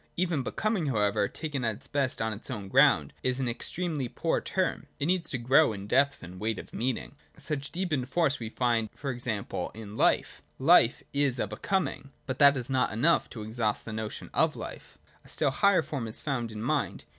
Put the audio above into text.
Even Becoming however, taken at its best on its own ground, is an extremely poor term : it needs to grow in depth and weight of meaning. Such deepened force we find e.g. in Life. Life is a Becoming ; but that is not enough to exhaust the notion of life. A still higher form is found in Mind.